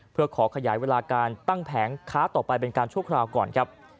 เพื่อขอขยายเวลาการตั้งแผงค้าต่อไปเป็นการชั่วคราวก่อนครับ